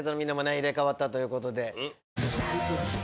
入れ替わったということで。